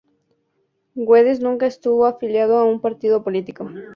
Guedes nunca estuvo afiliado a un partido político.